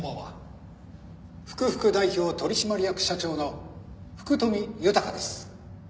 福々代表取締役社長の福富豊です。